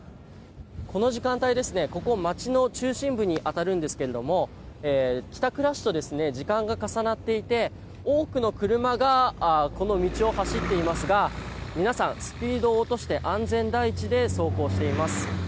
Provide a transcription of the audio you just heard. この時間帯、ここ街の中心部に当たるんですが帰宅ラッシュと時間が重なっていて多くの車がこの道を走っていますが皆さん、スピードを落として安全第一で走行しています。